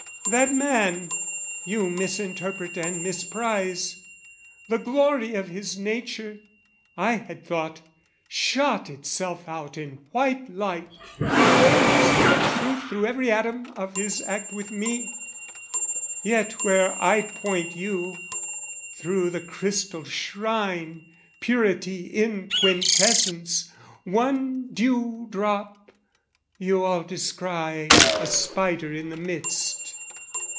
That man, you misinterpret and misprise The glory of his nature, I had thought, Shot itself out in white light, blazed the truth Through every atom of his act with me: Yet where I point you, through the chrystal shrine, Purity in quintessence, one dew drop, You all descry a spider in the midst.